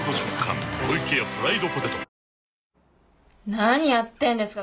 何やってんですか？